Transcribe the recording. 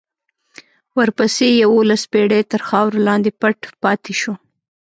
ورپسې یوولس پېړۍ تر خاورو لاندې پټ پاتې شو.